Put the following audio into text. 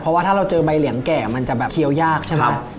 เพราะว่าถ้าเราเจอใบเหลียงแก่มันจะแบบเคี้ยวยากใช่ไหม